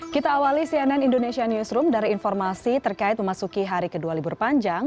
kita awali cnn indonesia newsroom dari informasi terkait memasuki hari kedua libur panjang